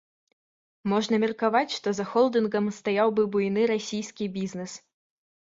Можна меркаваць, што за холдынгам стаяў бы буйны расійскі бізнэс.